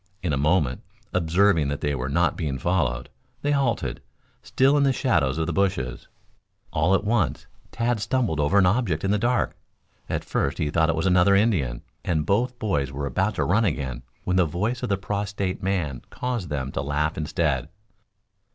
In a moment, observing that they were not being followed, they halted, still in the shadows of the bushes. All at once Tad stumbled over an object in the dark. At first he thought it was another Indian, and both boys were about to run again, when the voice of the prostrate man caused them to laugh instead.